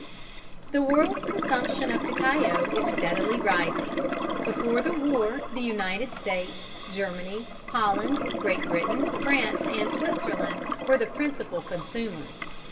_ The world's consumption of cacao is steadily rising. Before the war the United States, Germany, Holland, Great Britain, France, and Switzerland were the principal consumers.